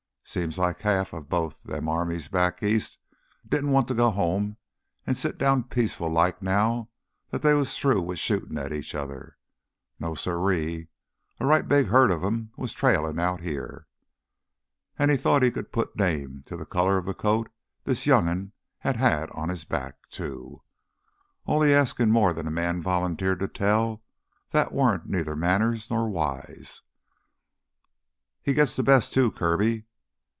Seems like half of both them armies back east didn't want to go home an' sit down peaceful like now that they was through wi' shootin' at each other. No, siree, a right big herd o' 'em was trailin' out here. An' he thought he could put name to the color of coat this young'un had had on his back, too. Only askin' more than a man volunteered to tell, that warn't neither manners nor wise. "He gits th' best, too, Kirby."